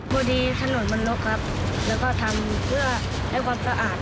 พอดีถนนมนตรกครับแล้วก็ทำให้ความสะอาด